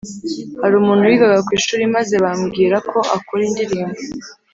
Hari umuntu wigaga ku ishuri maze bambwira ko akora indirimbo.